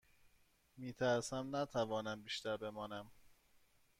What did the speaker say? می ترسم نتوانم بیشتر بمانم.